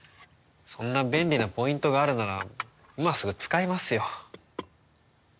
そんな便利なポイントがあるなら今すぐ使いますよ。